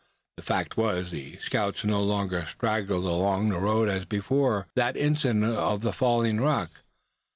The fact was, the scouts no longer straggled along the road as before that incident of the falling rock.